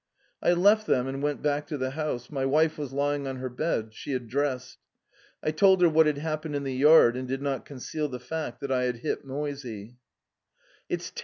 I left them and went back to the house. My wife was lying on the bed, fully dressed. I told her what had happened in the yard and did not keep back the fact thnt I had struck Moissey.